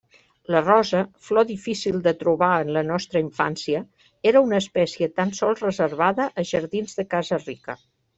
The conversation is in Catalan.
La rosa, flor difícil de trobar en la nostra infància, era una espècie tan sols reservada a jardins de casa rica.